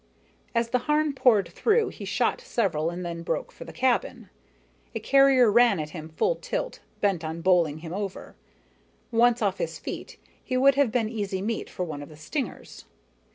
As the Harn poured through, he shot several and then broke for the cabin. A carrier ran at him full tilt, bent on bowling him over. Once off his feet, he would have been easy meat for one of the stingers.